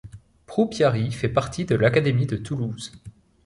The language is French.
Proupiary fait partie de l'académie de Toulouse.